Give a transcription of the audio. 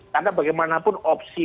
karena bagaimanapun opsi